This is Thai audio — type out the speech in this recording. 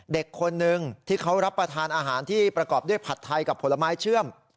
เด็กคนนึงที่เขารับประทานอาหารที่ประกอบด้วยผัดไทยกับผลไม้เชื่อม